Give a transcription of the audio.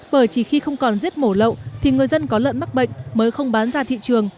bởi chỉ khi không còn giết mổ lậu thì người dân có lợn mắc bệnh mới không bán ra thị trường